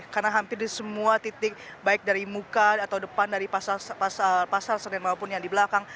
karena hampir di semua titik baik dari muka atau depan dari pasar senen maupun yang di belakang